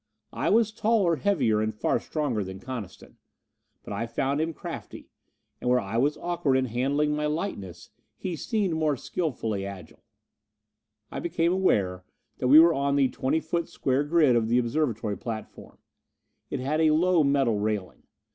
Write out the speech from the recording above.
I was taller, heavier and far stronger than Coniston. But I found him crafty, and where I was awkward in handling my lightness, he seemed more skilfully agile. I became aware that we were on the twenty foot square grid of the observatory platform. It had a low metal railing.